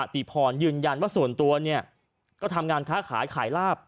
ติพรยืนยันว่าส่วนตัวเนี่ยก็ทำงานค้าขายขายลาบ